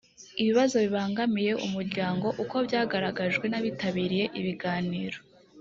ibibazo bibangamiye umuryango uko byagaragajwe n’abitabiriye ibiganiro